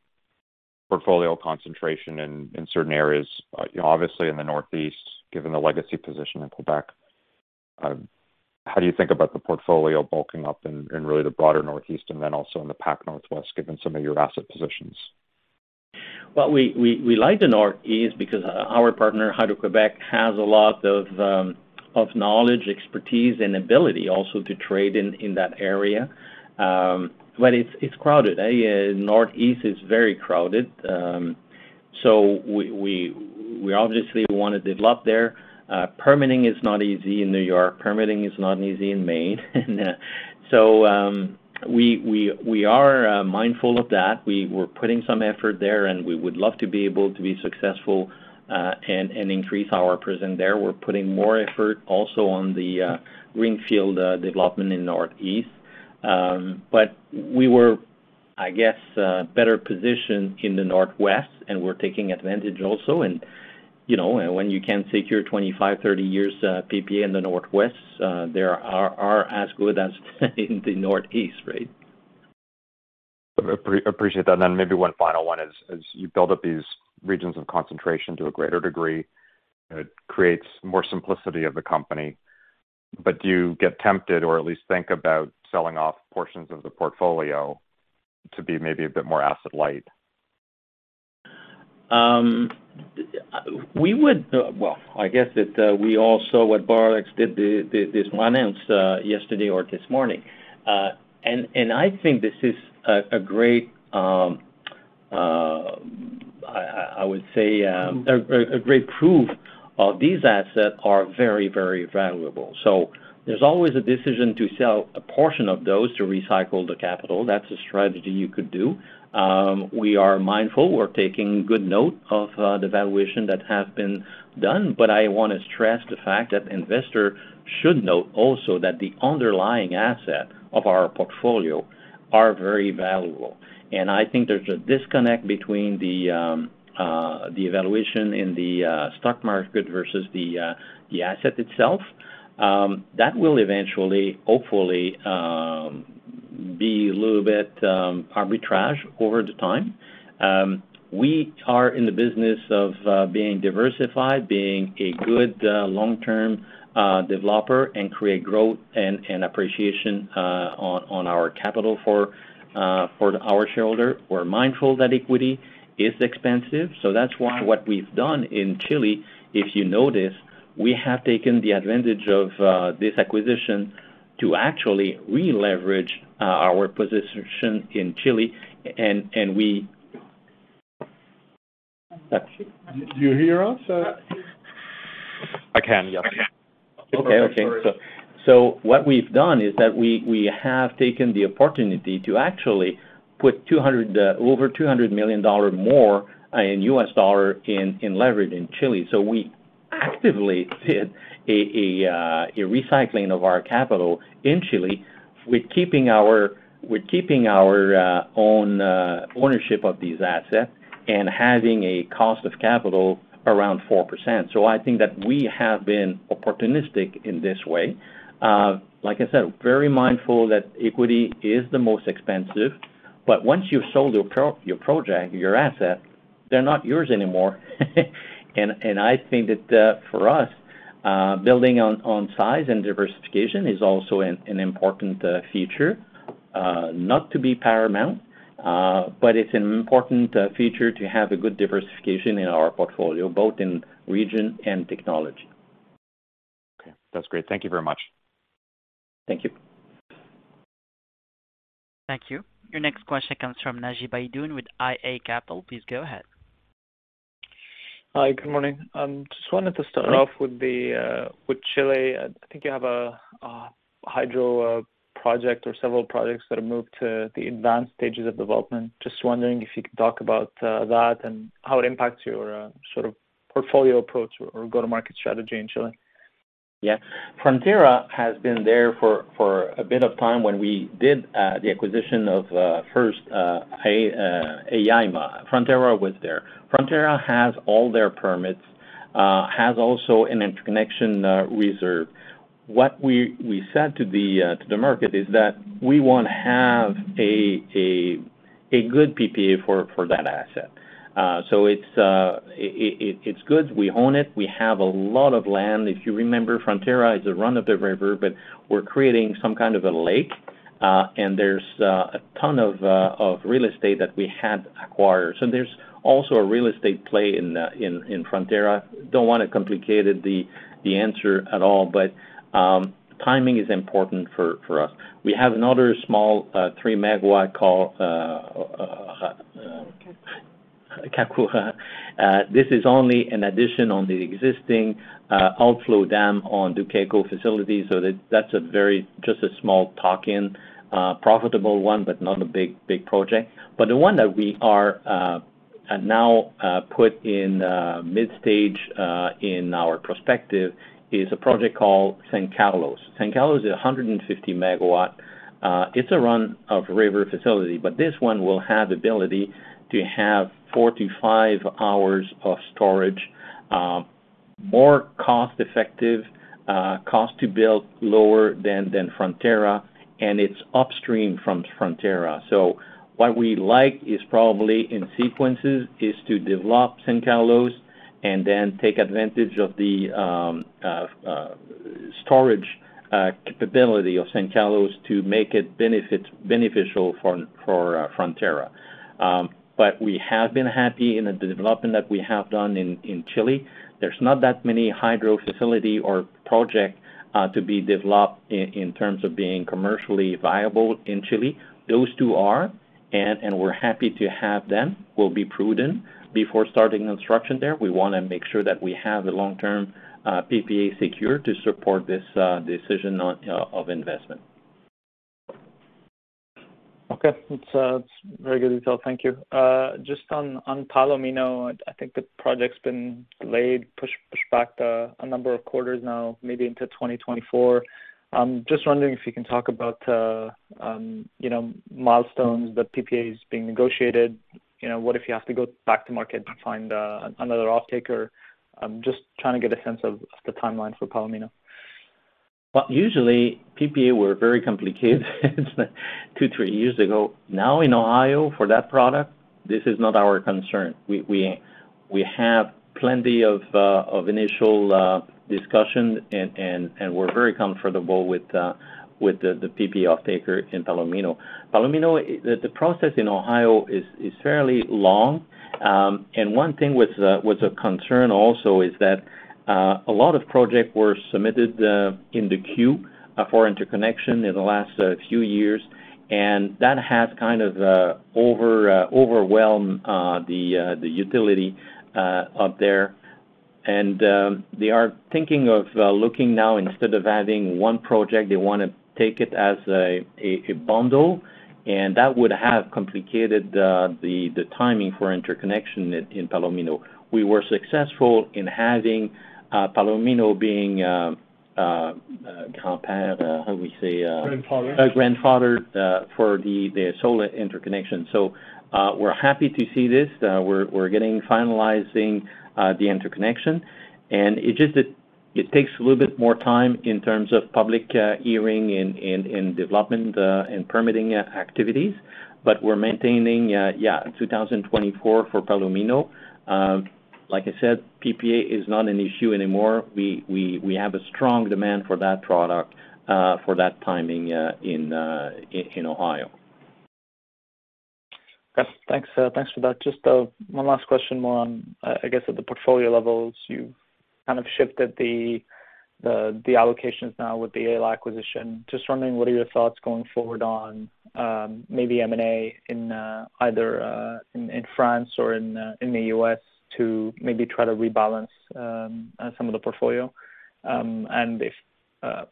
portfolio concentration in certain areas, you know, obviously in the Northeast, given the legacy position in Quebec, how do you think about the portfolio bulking up in really the broader Northeast and then also in the Pacific Northwest, given some of your asset positions? Well, we like the Northeast because our partner, Hydro-Québec, has a lot of knowledge, expertise and ability also to trade in that area. It's crowded. Northeast is very crowded. We obviously want to develop there. Permitting is not easy in New York. Permitting is not easy in Maine. We are mindful of that. We're putting some effort there, and we would love to be able to be successful and increase our presence there. We're putting more effort also on the greenfield development in Northeast. We were, I guess, better positioned in the Northwest, and we're taking advantage also in You know, when you can secure 25, 30 years PPA in the Northwest, they are as good as in the Northeast, right? Appreciate that. Maybe one final one is, as you build up these regions of concentration to a greater degree, it creates more simplicity of the company. Do you get tempted or at least think about selling off portions of the portfolio to be maybe a bit more asset light? Well, I guess that we all saw what Boralex did this announcement yesterday or this morning. I think this is a great proof that these assets are very valuable. There's always a decision to sell a portion of those to recycle the capital. That's a strategy you could do. We are mindful. We're taking good note of the valuation that has been done. I wanna stress the fact that investors should note also that the underlying assets of our portfolio are very valuable. I think there's a disconnect between the valuation in the stock market versus the asset itself. That will eventually, hopefully, be a little bit of arbitrage over time. We are in the business of being diversified, being a good long-term developer, and create growth and appreciation on our capital for our shareholder. We're mindful that equity is expensive, so that's why what we've done in Chile, if you notice, we have taken the advantage of this acquisition to actually re-leverage our position in Chile and we- Do you hear us? I can, yes. Okay, sorry. Okay. What we've done is that we have taken the opportunity to actually put over $200 million more in US dollars in leverage in Chile. We actively did a recycling of our capital in Chile with keeping our own ownership of these assets and having a cost of capital around 4%. I think that we have been opportunistic in this way. Like I said, very mindful that equity is the most expensive. Once you've sold your project, your asset, they're not yours anymore. I think that for us, building on size and diversification is also an important feature. Not to be pedantic, but it's an important feature to have a good diversification in our portfolio, both in region and technology. Okay. That's great. Thank you very much. Thank you. Thank you. Your next question comes from Naji Baydoun with iA Capital Markets. Please go ahead. Hi, good morning. Just wanted to start off with Chile. I think you have a hydro project or several projects that have moved to the advanced stages of development. Just wondering if you could talk about that and how it impacts your sort of portfolio approach or go-to-market strategy in Chile. Yeah. Frontera has been there for a bit of time. When we did the acquisition of Aela, Frontera was there. Frontera has all their permits, has also an interconnection reserve. What we said to the market is that we wanna have a good PPA for that asset. So it's good. We own it. We have a lot of land. If you remember, Frontera is a run-of-the-river, but we're creating some kind of a lake, and there's a ton of real estate that we have acquired. So there's also a real estate play in Frontera. Don't wanna complicate the answer at all, but timing is important for us. We have another small 3 MW called Cacua. This is only an addition on the existing outflow dam on Duqueco facilities, so that's a very just a small tuck-in. Profitable one, but not a big project. The one that we are now put in mid-stage in our perspective is a project called San Carlos. San Carlos is 150 MW. It's a run-of-river facility, but this one will have ability to have 4-5 hours of storage. More cost-effective, cost to build lower than Frontera, and it's upstream from Frontera. What we like is probably in sequence is to develop San Carlos and then take advantage of the storage capability of San Carlos to make it beneficial for Frontera. We have been happy in the development that we have done in Chile. There's not that many hydro facility or project to be developed in terms of being commercially viable in Chile. Those two are, and we're happy to have them. We'll be prudent. Before starting construction there, we wanna make sure that we have the long-term PPA secure to support this decision of investment. Okay. It's very good detail. Thank you. Just on Palomino, I think the project's been delayed, pushed back a number of quarters now, maybe into 2024. Just wondering if you can talk about, you know, milestones, the PPAs being negotiated. You know, what if you have to go back to market to find another offtaker? I'm just trying to get a sense of the timeline for Palomino. Well, usually, PPA were very complicated 2-3 years ago. Now in Ohio, for that product, this is not our concern. We have plenty of initial discussion and we're very comfortable with the PPA offtaker in Palomino. Palomino, the process in Ohio is fairly long. One thing which was a concern also is that a lot of projects were submitted in the queue for interconnection in the last few years, and that has kind of overwhelmed the utility up there. They are thinking of looking now, instead of adding one project, they wanna take it as a bundle, and that would have complicated the timing for interconnection in Palomino. We were successful in having Palomino being compared, how we say. Grandfathered. Grandfathered for the solar interconnection. We'rWe happy to see this. We're finalizing the interconnection, and it takes a little bit more time in terms of public hearing and development and permitting activities. We're maintaining 2024 for Palomino. Like I said, PPA is not an issue anymore. We have a strong demand for that product for that timing in Ohio. Yes. Thanks. Thanks for that. Just one last question more on, I guess at the portfolio levels, you've kind of shifted the allocations now with the Aela acquisition. Just wondering what are your thoughts going forward on maybe M&A in either in France or in the U.S. to maybe try to rebalance some of the portfolio?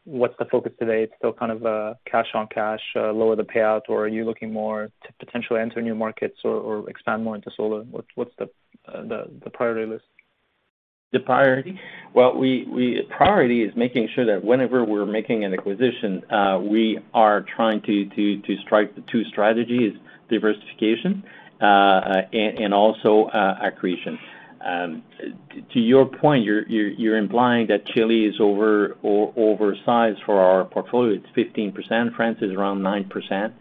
What's the focus today? It's still kind of cash on cash, lower the payout, or are you looking more to potentially enter new markets or expand more into solar? What's the priority list? The priority? Well, priority is making sure that whenever we're making an acquisition, we are trying to strike the two strategies, diversification and also accretion. To your point, you're implying that Chile is over or oversized for our portfolio. It's 15%. France is around 9%.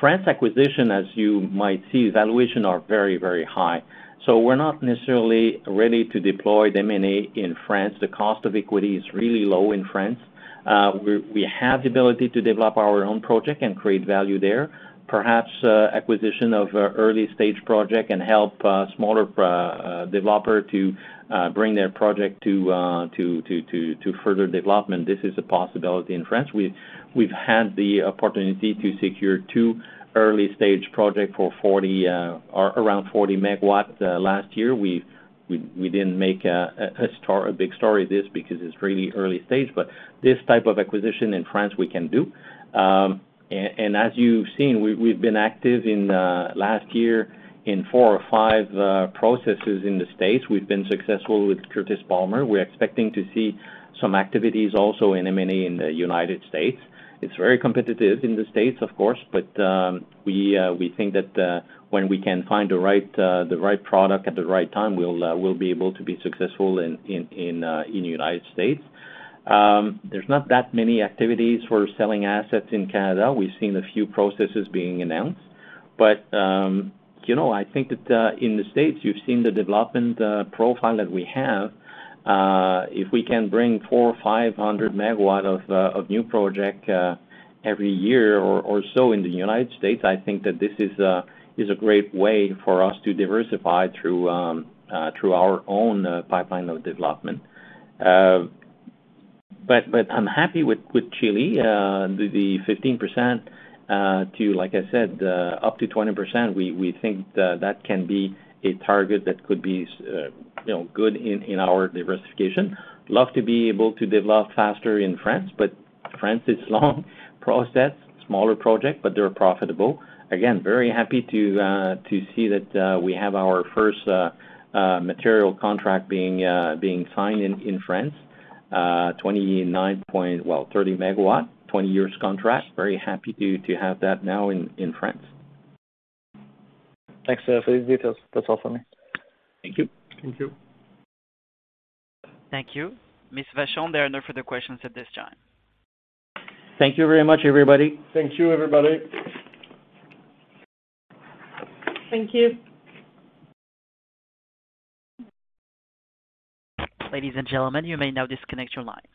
France acquisition, as you might see, valuation are very, very high. So we're not necessarily ready to deploy the M&A in France. The cost of equity is really low in France. We have the ability to develop our own project and create value there. Perhaps acquisition of a early-stage project can help smaller developer to further development. This is a possibility in France. We've had the opportunity to secure two early-stage project for 40, or around 40 MW, last year. We didn't make a big story of this because it's really early stage, but this type of acquisition in France we can do. As you've seen, we've been active last year in four or five processes in the U.S. We've been successful with Curtis Palmer. We're expecting to see some activities also in M&A in the United States. It's very competitive in the U.S., of course, but we think that when we can find the right product at the right time, we'll be able to be successful in the United States. There's not that many activities for selling assets in Canada. We've seen a few processes being announced. You know, I think that in the States, you've seen the development profile that we have. If we can bring 400 MW-500 MW of new projects every year or so in the United States, I think that this is a great way for us to diversify through our own pipeline of development. I'm happy with Chile. The 15%-20%, like I said, we think that can be a target that could be good in our diversification. I love to be able to develop faster in France, but France is a long process, smaller projects, but they're profitable. Again, very happy to see that we have our first material contract being signed in France. 30 MW, 20-year contract. Very happy to have that now in France. Thanks, for the details. That's all for me. Thank you. Thank you. Ms. Vachon, there are no further questions at this time. Thank you very much, everybody. Thank you, everybody. Thank you. Ladies and gentlemen, you may now disconnect your lines.